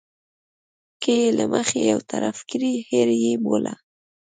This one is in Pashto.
که یې له مخې یو طرفه کړي هېر یې بوله.